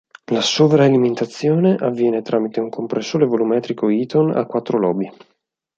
La sovralimentazione avviene tramite un compressore volumetrico Eaton a quattro lobi.